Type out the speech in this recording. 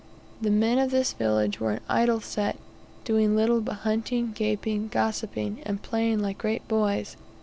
The men of this village were an idle set, doing little but hunting, gaping, gossiping, and playing like great boys.